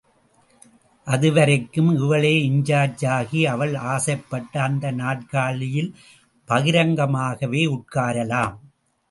அதுவரைக்கும், இவளே இன்சார்ஜ் ஆகி, அவள் ஆசைப்பட்ட அந்த நாற்காலியில் பகிரங்கமாகவே உட்காரலாம்.